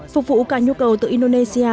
phục vụ cả nhu cầu từ indonesia